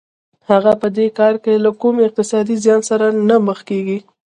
هغه په دې کار کې له کوم اقتصادي زیان سره نه مخ کېږي